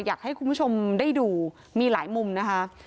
อยากให้คุณผู้ชมได้ดูมีหลายมุมนะคะ